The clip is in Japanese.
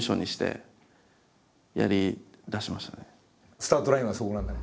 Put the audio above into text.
スタートラインはそこなんだね。